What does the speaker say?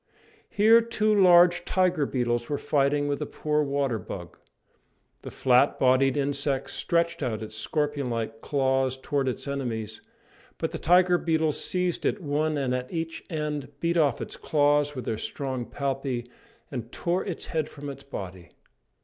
Here two large tiger beetles were fighting with a poor water bug. The flat bodied insect stretched out its scorpion like claws towards its enemies, but the tiger beetles seized it one at each end, beat off its claws with their strong palpi, and tore its head from its body.